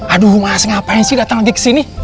aduh mas ngapain sih datang lagi kesini